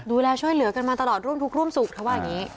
ดูแลช่วยเหลือกันมาตลอดร่วมทุกข์ร่วมสุขเธอว่าอย่างนี้